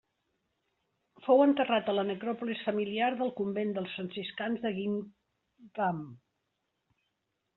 Fou enterrat a la necròpolis familiar del convent dels Franciscans de Guingamp.